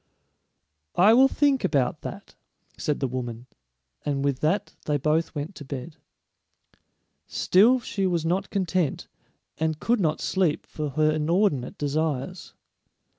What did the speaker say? "I will think about that," said the woman, and with that they both went to bed. Still she was not content, and could not sleep for her inordinate desires.